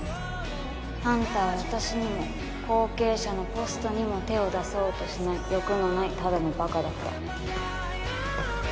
あんたは私にも後継者のポストにも手を出そうとしない欲のないただのバカだった。